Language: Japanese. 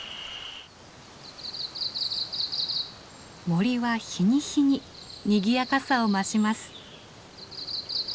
森は日に日ににぎやかさを増します。